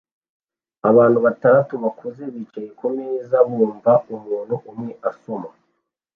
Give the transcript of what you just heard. abantu batandatu bakuze bicaye kumeza bumva umuntu umwe asoma